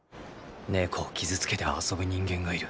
猫を傷つけて遊ぶ人間がいる。